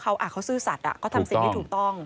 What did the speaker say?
เขาซื่อสัตว์เขาทำสิ่งที่ถูกต้อง